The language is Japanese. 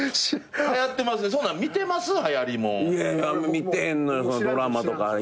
見てへんのよドラマとか今。